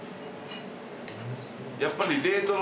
やっぱり。